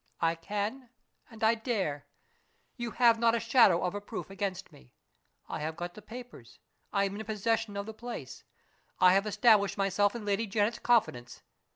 "I can and I dare. You have not a shadow of a proof against me. I have got the papers; I am in possession of the place; I have established myself in Lady Janet's confidence.